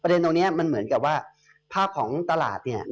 ประเด็นตรงเนี้ยมันเหมือนกับว่าภาพของตลาดเนี่ย